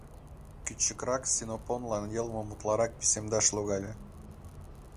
Кӱчыкрак Синопонлан йолым утларак писемдаш логале.